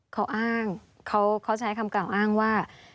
เขาอ้างเขาใช้คำกล่าวอ้างว่า